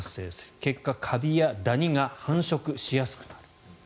結果、カビやダニが繁殖しやすくなる。